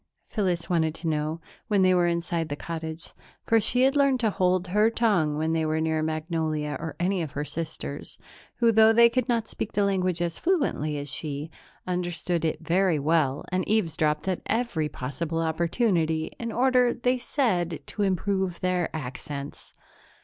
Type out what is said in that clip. Phyllis wanted to know, when they were inside the cottage, for she had learned to hold her tongue when they were near Magnolia or any of her sisters, who, though they could not speak the language as fluently as she, understood it very well and eavesdropped at every possible opportunity in order, they said, to improve their accents.